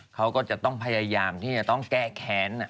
เขาก็จะต้องพยายามที่จะต้องแก้แค้น